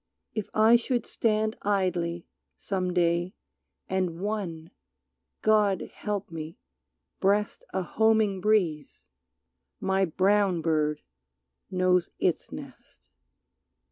If I should stand Idly, some day, and one, God help me! breast A homing breeze, my brown bird knows its nest.